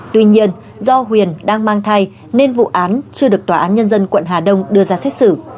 tuy nhiên do huyền đang mang thai nên vụ án chưa được tòa án nhân dân quận hà đông đưa ra xét xử